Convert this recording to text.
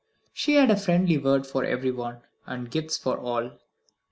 She had a friendly word for everyone, and gifts for all.